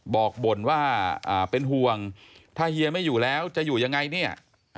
บ่นว่าเป็นห่วงถ้าเฮียไม่อยู่แล้วจะอยู่ยังไงเนี่ย